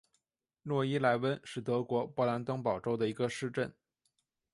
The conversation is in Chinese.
诺伊莱温是德国勃兰登堡州的一个市镇。